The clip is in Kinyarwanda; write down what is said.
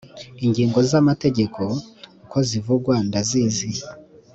ingingo z’aya mategeko uko zivugwa ndazizi